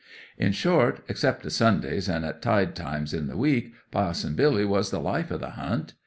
'In short, except o' Sundays and at tide times in the week, Pa'son Billy was the life o' the Hunt.